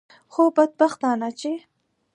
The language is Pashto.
خو بدبختانه چې.